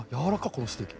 このステーキ。